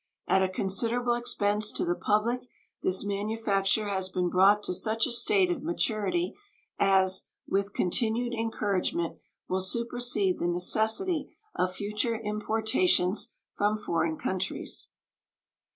At a considerable expense to the public this manufacture has been brought to such a state of maturity as, with continued encouragement, will supersede the necessity of future importations from foreign countries.